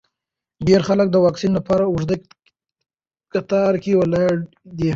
ډېر خلک د واکسین لپاره اوږده کتار کې ولاړ دي.